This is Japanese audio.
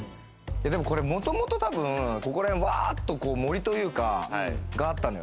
もともとたぶん、ここら辺、わっと森というか、があったのよ。